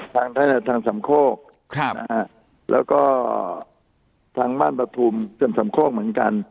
ทางสำโคกแล้วก็ทางบ้านประทุมจนสำโคกเหมือนกัน